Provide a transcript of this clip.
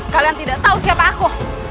kalian tidak tahu siapa aku